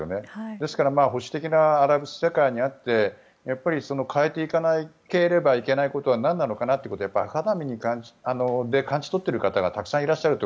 ですから保守的なアラブ世界にあってやっぱり変えていかなければいけないことは何なのかなということで肌身で感じ取っている方がたくさん、いらっしゃると。